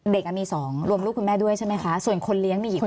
มี๒รวมลูกคุณแม่ด้วยใช่ไหมคะส่วนคนเลี้ยงมีกี่คน